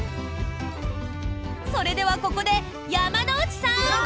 それではここで、山之内さん！